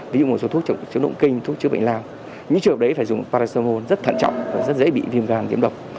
ví dụ một số thuốc chống động kinh thuốc chứa bệnh lao những trường hợp đấy phải dùng parasomon rất thận trọng và rất dễ bị viêm gan nhiễm độc